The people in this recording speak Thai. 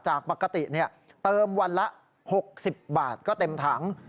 จากปกติเติมวันละ๖๐บาทก็เต็มถัง